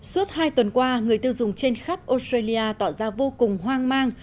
suốt hai tuần qua người tiêu dùng trên khắp australia tỏ ra vô cùng hoang mang